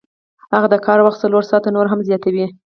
هغه د کار وخت څلور ساعته نور هم زیاتوي